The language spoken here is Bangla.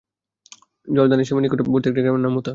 জর্দানে শামের নিকটবর্তী একটি গ্রামের নাম মুতা।